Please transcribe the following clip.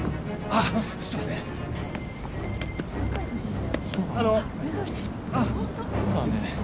あっすいません。